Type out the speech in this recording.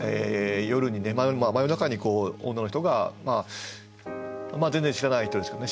真夜中に女の人が全然知らない人ですけどね